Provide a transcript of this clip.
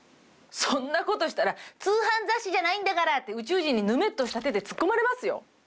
そんなことしたら「通販雑誌じゃないんだから」って宇宙人にヌメっとした手で突っ込まれますよ。